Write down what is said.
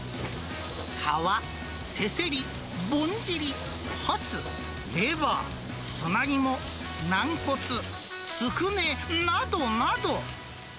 皮、せせり、ぼんじり、はつ、レバー、砂肝、軟骨、つくねなどなど。